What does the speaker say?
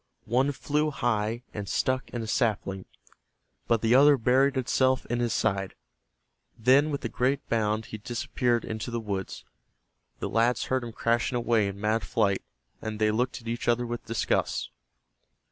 One flew high and stuck in a sapling, but the other buried itself in his side. Then with a great bound he disappeared into the woods. The lads heard him crashing away in mad flight, and they looked at each other with disgust.